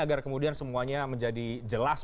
agar kemudian semuanya menjadi jelas